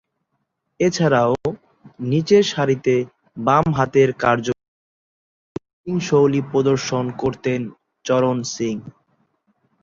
এছাড়াও, নিচেরসারিতে বামহাতে কার্যকরী ব্যাটিংশৈলী প্রদর্শন করতেন চরণ সিং।